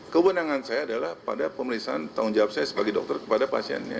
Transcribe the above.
kewenangan saya adalah pada pemeriksaan tanggung jawab saya sebagai dokter kepada pasiennya